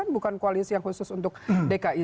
bukan koalisi yang khusus untuk dki